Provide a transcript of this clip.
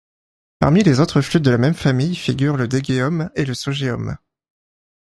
Parmi les autres flûtes de la même famille figurent le daegeum et le sogeum.